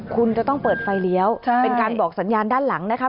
คุณจะต้องเปิดไฟเลี้ยวเป็นการบอกสัญญาณด้านหลังนะครับ